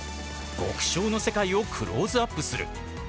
極小の世界をクローズアップする。